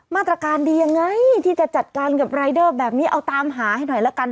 มาตรการดียังไงที่จะจัดการกับรายเดอร์แบบนี้เอาตามหาให้หน่อยละกัน